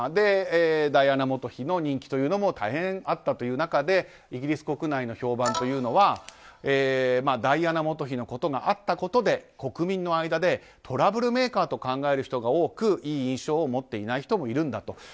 ダイアナ元妃の人気も大変あったという中でイギリス国内の評判というのはダイアナ元妃のことがあったので国民の間でトラブルメーカーと考える人が多くいい印象を持っていない人もいるんだと。